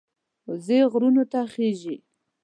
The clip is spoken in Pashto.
وزې غرونو ته خېژي